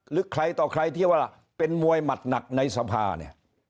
หรือใครต่อใครที่ว่าเป็นมวยหมัดหนักในสภาเนี่ย